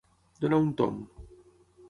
Donar un tomb.